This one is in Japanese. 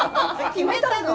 決めたの？